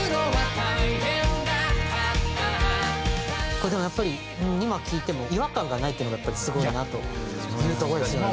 これでもやっぱり今聴いても違和感がないっていうのがすごいなというところですよね。